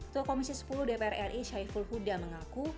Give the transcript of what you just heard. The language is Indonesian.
tua komisi sepuluh dpr ri syaiful huda mengaku